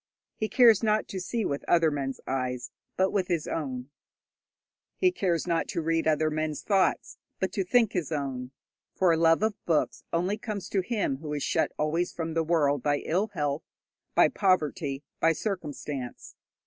He cares not to see with other men's eyes, but with his own; he cares not to read other men's thoughts, but to think his own, for a love of books only comes to him who is shut always from the world by ill health, by poverty, by circumstance.